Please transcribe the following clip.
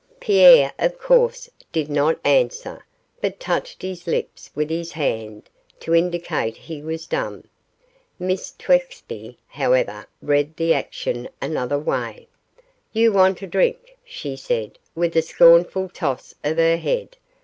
Pierre, of course, did not answer, but touched his lips with his hand to indicate he was dumb. Miss Twexby, however, read the action another way. 'You want a drink,' she said, with a scornful toss of her head.